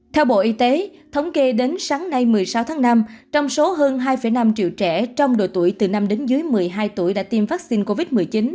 theo bộ y tế thống kê đến sáng nay một mươi sáu tháng năm trong số hơn hai năm triệu trẻ trong độ tuổi từ năm đến dưới một mươi hai tuổi đã tiêm vaccine covid một mươi chín